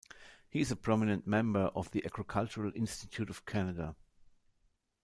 He is a prominent member of the Agricultural Institute of Canada.